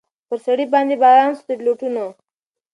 پر سړي باندي باران سو د لوټونو